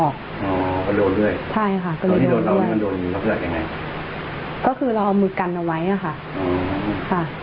ก็คือเราเอามือกันออกไว้นะคะ